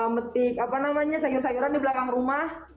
metik apa namanya sayur sayuran di belakang rumah